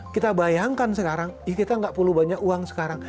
kita bayangkan sekarang kita nggak perlu banyak uang sekarang